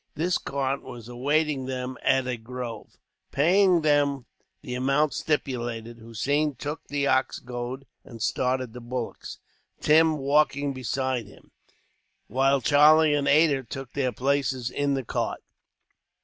This cart was awaiting them at a grove. Paying them the amount stipulated, Hossein took the ox goad and started the bullocks, Tim walking beside him, while Charlie and Ada took their places in the cart.